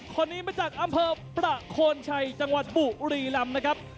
คนนี้มาจากอำเภอประโคนชัยจังหวัดบุรีลำนะครับ